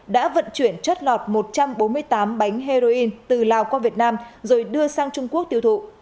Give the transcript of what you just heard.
đã vận chuyển chất lọt một trăm bốn mươi tám bánh heroin từ lào qua việt nam rồi đưa sang trung quốc tiêu thụ